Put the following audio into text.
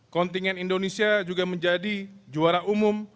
kontingen indonesia juga menjadi juara umum